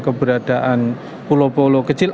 keberadaan pulau pulau kecil